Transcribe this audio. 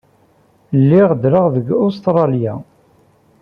Lliɣ ddreɣ deg Ustṛalya.